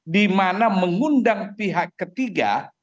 dimana mengundang pihak ketiga